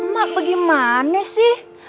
mak bagaimana sih